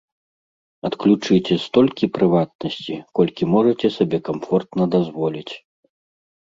Адключыце столькі прыватнасці, колькі можаце сабе камфортна дазволіць.